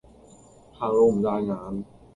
行路唔帶眼